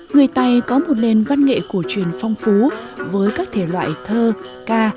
người tày có một nền văn nghệ cổ truyền phong phú với các thể loại thơ ca